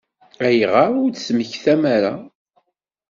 Ayɣer ur d-temmektam ara?